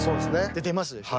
って出ますでしょ。